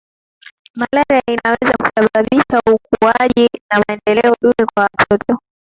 malaria inaweza kusababisha ukuaji na maendeleo duni kwa watoto